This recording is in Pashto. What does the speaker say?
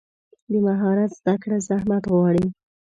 د مهارت زده کړه زحمت غواړي.